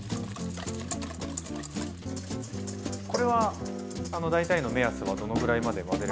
これは大体の目安はどのぐらいまで混ぜれば。